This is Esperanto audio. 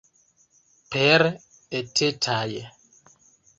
Per etetaj.